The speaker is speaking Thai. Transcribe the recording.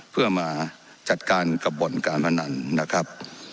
เพื่อมาจัดการกับบ่อนการพนันนะครับ